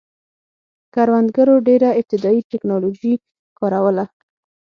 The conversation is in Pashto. کروندګرو ډېره ابتدايي ټکنالوژي کاروله